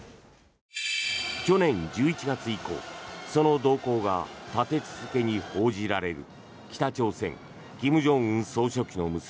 去年１１月以降その動向が立て続けに報じられる北朝鮮、金正恩総書記の娘